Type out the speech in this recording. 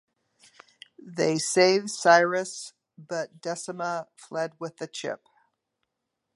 They save Cyrus but Decima fled with the chip.